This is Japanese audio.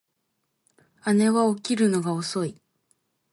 姉は起きるのが遅い